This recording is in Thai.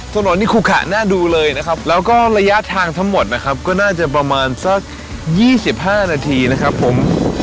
ถนนนิคุขะน่าดูเลยนะครับแล้วก็ระยะทางทั้งหมดนะครับก็น่าจะประมาณสัก๒๕นาทีนะครับผม